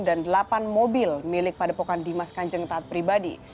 dan delapan mobil milik padepokan dimas kanjeng taat pribadi